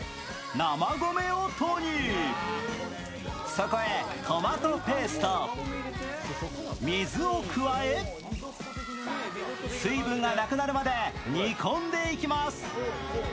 そこへトマトペースト、水を加え水分がなくなるまで煮込んでいきます。